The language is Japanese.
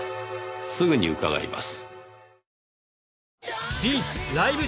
すぐに伺います。